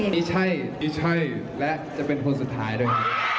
นี่ใช่นี่ใช่และจะเป็นคนสุดท้ายด้วย